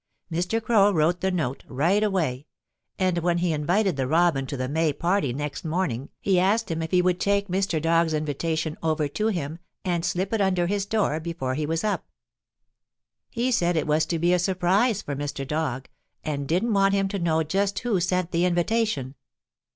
Mr. Crow wrote the note right away, and when he invited the Robin to the May party next morning he asked him if he would take Mr. Dog's invitation over to him and slip it under his door before he was up. He said it was to be a surprise for Mr. Dog, and he didn't want him to know just who sent the invitation.